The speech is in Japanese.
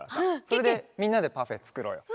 これでみんなでパフェつくろうよ。